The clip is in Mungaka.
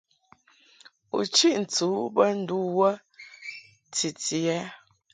U chiʼ ntɨ u bə ndu wə titi ɛ?